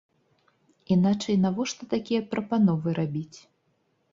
Іначай навошта такія прапановы рабіць?